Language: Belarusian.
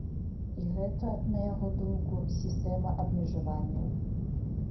І гэта, на яго думку, сістэма абмежаванняў.